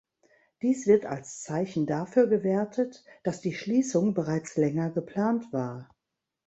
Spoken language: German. Dies wird als Zeichen dafür gewertet, dass die Schließung bereits länger geplant war.